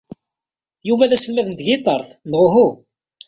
Yuba d aselmad n tgiṭart neɣ uhu?